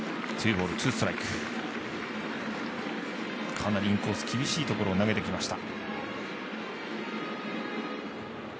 かなりインコース厳しいところを投げてきました。